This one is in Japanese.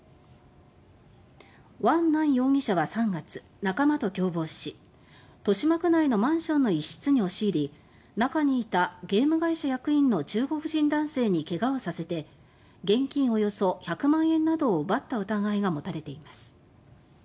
ワン・ナン容疑者は３月仲間と共謀し豊島区内のマンションの一室に押し入り中にいたゲーム会社役員の中国人男性に怪我をさせて現金およそ１００万円などを奪った疑いが持たれています。